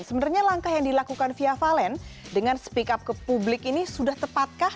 sebenarnya langkah yang dilakukan fia valen dengan speak up ke publik ini sudah tepatkah